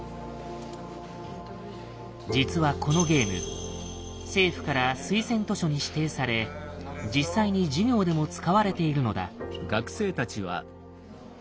実はこのゲーム政府から推薦図書に指定され実際に授業でも使われているのだ。